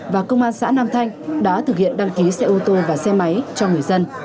và công an xã nam thanh đã thực hiện đăng ký xe ô tô và xe máy cho người dân